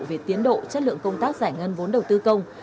về tiến độ chất lượng công tác giải ngân vốn đầu tư công